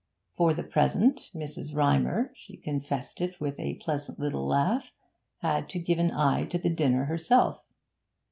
For the present Mrs. Rymer she confessed it with a pleasant little laugh had to give an eye to the dinner herself.